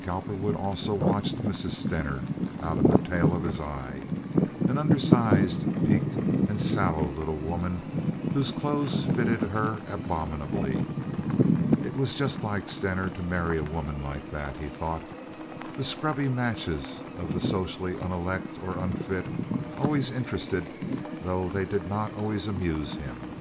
Cowperwood also watched Mrs. Stener out of the tail of his eye—an undersized, peaked, and sallow little woman, whose clothes fitted her abominably. It was just like Stener to marry a woman like that, he thought. The scrubby matches of the socially unelect or unfit always interested, though they did not always amuse, him.